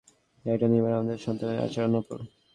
এটা নির্ভর করে আমাদের সন্তানের আচরণের ওপর।